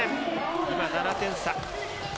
今、７点差。